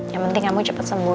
yang penting kamu cepat sembuh